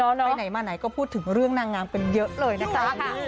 ไปไหนมาไหนก็พูดถึงเรื่องนางงามกันเยอะเลยนะจ๊ะ